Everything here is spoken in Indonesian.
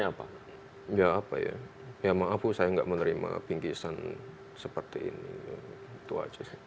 ya apa ya ya maaf saya nggak menerima pingsan seperti ini itu aja sih